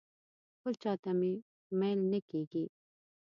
بل چاته مې میل نه کېږي.